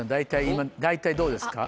今大体どうですか？